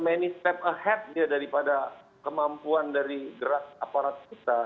ini step ahead daripada kemampuan dari gerak aparat kita